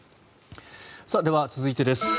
では、続いてです。